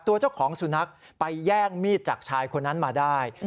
ตัวเจ้าของสุนัขไปแย่งมีดจากชายคนนั้นมาได้